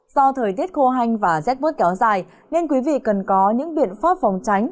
do thời tiết khô hanh và rét bút kéo dài nên quý vị cần có những biện pháp phòng tránh